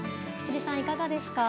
辻さん、いかがですか？